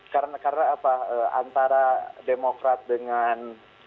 karena antara demokrat dengan